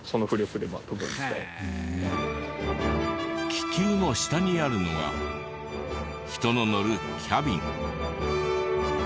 気球の下にあるのが人の乗るキャビン。